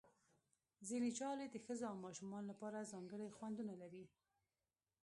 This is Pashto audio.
ځینې ژاولې د ښځو او ماشومانو لپاره ځانګړي خوندونه لري.